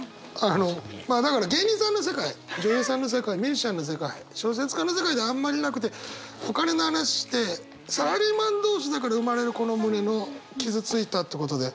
あのまあだから芸人さんの世界女優さんの世界ミュージシャンの世界小説家の世界であんまりなくてお金の話してサラリーマン同士だから生まれるこの胸の傷ついたってことで。